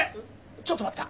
ちょっと待った。